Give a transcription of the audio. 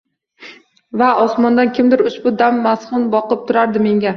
Va osmondan kimdir ushbu dam mahzun boqib turardi menga…